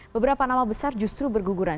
beberapa nama besar justru berguguran